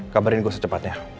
kabarin gua secepatnya